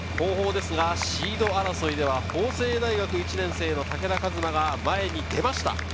シード争いでは法政大学１年生の武田和馬が前に出ました。